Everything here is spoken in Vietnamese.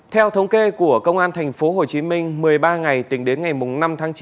theo thống kê của công an thành phố hồ chí minh một mươi ba ngày tính đến ngày năm tháng chín